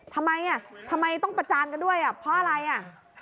ทำไมอ่ะทำไมต้องประจานกันด้วยอ่ะเพราะอะไรอ่ะ